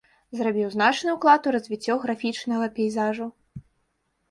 Зрабіў значны ўклад у развіццё графічнага пейзажу.